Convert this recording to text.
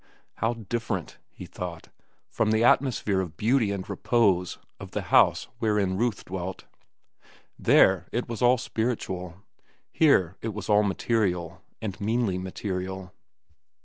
How different, he thought, from the atmosphere of beauty and repose of the house wherein Ruth dwelt. There it was all spiritual. Here it was all material, and meanly material.